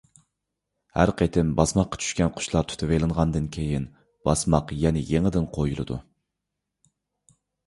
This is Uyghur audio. ھەر قېتىم باسماققا چۈشكەن قۇشلار تۇتۇۋېلىنغاندىن كېيىن، باسماق يەنە يېڭىدىن قويۇلىدۇ.